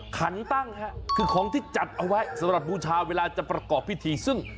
ขันตั้งฮะคือของที่จัดเอาไว้สำหรับบูชาเวลาจะประกอบพิธีซึ่ง